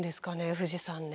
富士山ね。